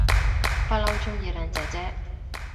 不嬲鍾意靚姐姐